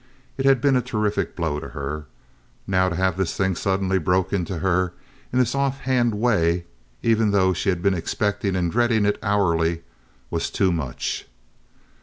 It had been a terrific blow to her. Now to have this thing suddenly broken to her in this offhand way, even though she had been expecting and dreading it hourly, was too much.